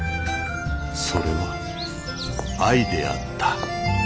それは愛であった。